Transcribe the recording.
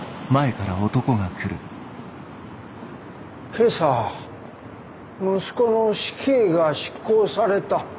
今朝息子の死刑が執行された。